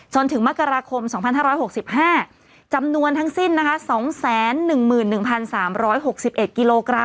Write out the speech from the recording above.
จนถึงมกราคม๒๕๖๕จำนวนทั้งสิ้นนะคะ๒๑๑๓๖๑กิโลกรัม